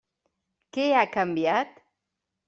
Què ha canviat?